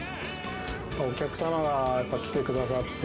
お客様がやっぱり来てくださ